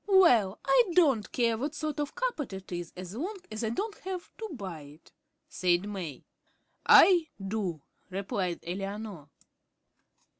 "Well, I don't care what sort of a carpet it is so long as I don't have to buy it," said May. "I do," replied Eleanor.